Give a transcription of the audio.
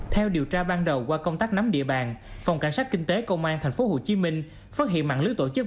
theo điều tra ban đầu qua công tác nắm địa bàn phòng cảnh sát kinh tế công an tp hồ chí minh phát hiện mạng lưu tổ chức